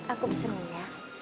aku pesenin ya